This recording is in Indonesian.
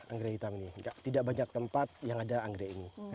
anggrek hitam ini tidak banyak tempat yang ada anggrek ini